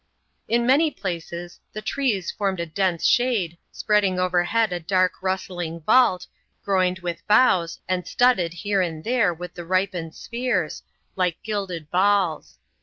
In many places the trees formed a dense shade, spreading overhead a dark, rustling vault, groined with boughs, and sladded here and there with the ripened spheres, like gilded balJg.